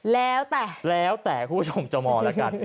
แล้วแต่แล้วแต่คุณผู้ชมจะมองแล้วกัน